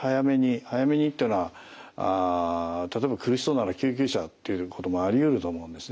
早めにっていうのは例えば苦しそうなら救急車っていうこともありうると思うんですね。